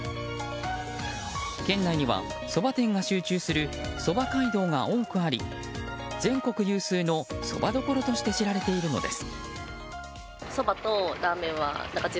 県内には、そば店が集中するそば街道が多くあり全国有数のそばどころとして知られているのです。